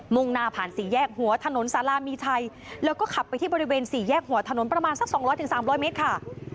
่งหน้าผ่านสี่แยกหัวถนนสารามีชัยแล้วก็ขับไปที่บริเวณสี่แยกหัวถนนประมาณสัก๒๐๐๓๐๐เมตรค่ะ